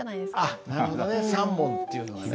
なるほどね三文っていうのはね。